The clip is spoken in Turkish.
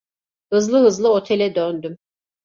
Hızlı hızlı otele döndüm.